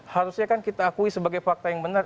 harusnya kan kita akui sebagai fakta yang benar